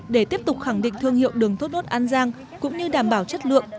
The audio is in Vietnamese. để tiếp tục khẳng định thương hiệu đường thốt nốt an giang cũng như đảm bảo chất lượng